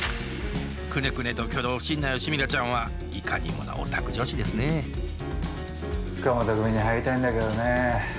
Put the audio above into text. クネクネと挙動不審な吉ミラちゃんはいかにもなオタク女子ですね塚本組に入りたいんだけどねえ。